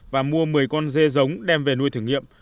và mua một mươi con dê giống đem về nuôi thử nghiệm